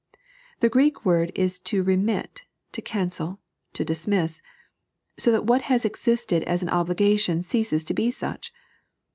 The Qreek word is to remit, to cancel, to dis miss — so that what has existed as an obligation ceases to be such.